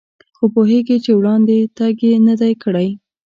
خو پوهېږي چې وړاندې تګ یې نه دی کړی.